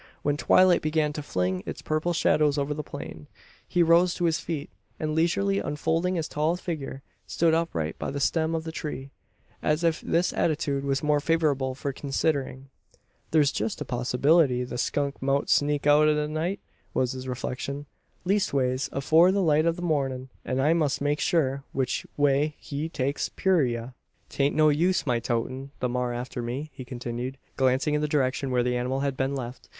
When twilight began to fling its purple shadows over the plain, he rose to his feet; and, leisurely unfolding his tall figure, stood upright by the stem of the tree as if this attitude was more favourable for "considering." "Thur's jest a posserbillity the skunk mout sneak out i' the night?" was his reflection. "Leastways afore the light o' the mornin'; an I must make sure which way he takes purayra. "'Taint no use my toatin' the maar after me," he continued, glancing in the direction where the animal had been left.